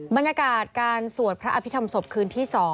บรรยากาศการสวดพระอภิษฐรรมศพคืนที่๒